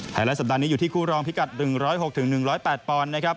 ไลท์สัปดาห์นี้อยู่ที่คู่รองพิกัด๑๐๖๑๐๘ปอนด์นะครับ